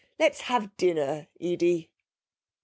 Let's have dinner, Edie.'